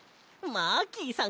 マーキーさん！